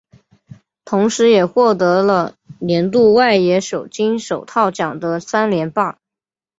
同年也获得了年度外野手金手套奖的三连霸。